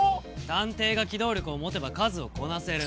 探偵が機動力を持てば数をこなせる。